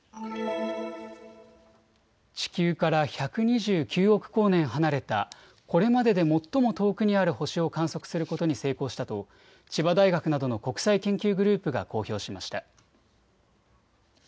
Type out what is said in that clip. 地球から１２９億光年離れたこれまでで最も遠くにある星を観測することに成功したと千葉大学などの国際研究グループが公表しました。